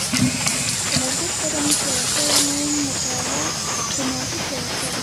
که ورزش بدني پیاوړتیا ده، نو مطاله دماغي پیاوړتیا ده